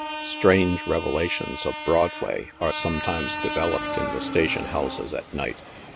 Strange revelations of Broadway are sometimes developed in the station houses at night.